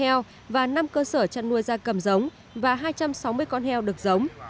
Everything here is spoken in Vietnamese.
heo và năm cơ sở chăn nuôi da cầm giống và hai trăm sáu mươi con heo được giống